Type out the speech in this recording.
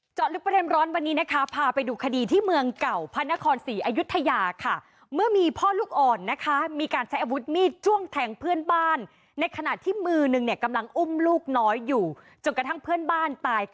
เจ้าตัวให้การว่าโดนคนตายต่อว่าซ้ำยังมีความเครียดที่ถูกเมียทิ้งสุดท้ายเลยก่อเหตุขึ้นปมหลังเรียกว่าโดนคนตายต่อว่าซ้ำยังมีความเครียดที่ถูกเมียทิ้งสุดท้ายเลยก่อเหตุขึ้นปมหลังเรียกว่าซ้ำยังมีความเครียดที่ถูกเมียทิ้งสุดท้ายเลยก่อเหตุขึ้นปมหลังเรียก